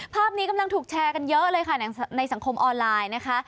ภาพนี้กำลังถูกแชร์กันเยอะเลยค่ะในสังคมออนไลน์นะคะ